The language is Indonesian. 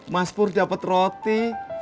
mas pur dapat roti